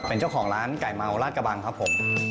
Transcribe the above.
เป็นเจ้าของร้านไก่เมาราชกระบังครับผม